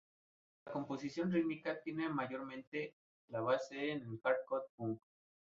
En cuanto a la composición rítmica, tiene, mayormente, la base en el "hardcore punk".